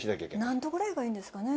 何度ぐらいがいいんですかね？